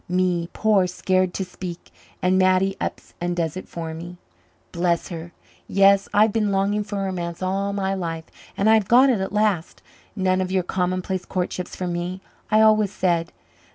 Me, poor, scared to speak and Mattie ups and does it for me, bless her. Yes, I've been longing for romance all my life, and I've got it at last. None of your commonplace courtships for me, I always said.